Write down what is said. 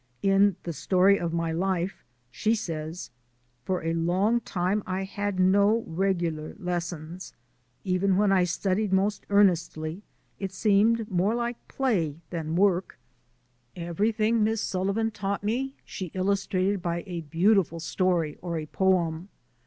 In "The Story of My Life," she says: " For a long time I had no regular lessons. Even when I studied most earnestly it seemed more like THE EVOLUTION OF NATURE GUIDING 255 play than work. Everything Miss Sullivan taught me she illustrated by a beautiful story or a poem.